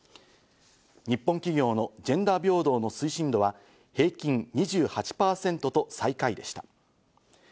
日本企業のジェンダー平等の推進度は平均２８％と最下位でした。